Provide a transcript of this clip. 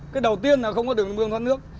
cái đầu tiên là không có đường mưa nước